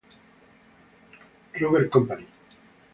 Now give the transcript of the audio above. Rubber Company.